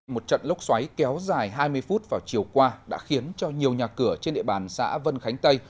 một trận lốc xoáy kéo dài hai mươi phút vào chiều qua đã khiến cho nhiều nhà cửa trên địa bàn xã vân khánh tây